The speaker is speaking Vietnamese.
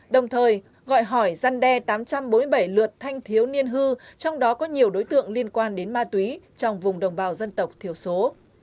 đồng thời gọi hỏi gian đe tám trăm bốn mươi bảy lượt thanh thiếu niên hư trong đó có nhiều đối tượng liên quan đến ma túy trong vùng đồng bào dân tộc thiểu số